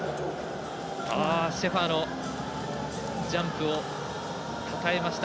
シェファーのジャンプをたたえました。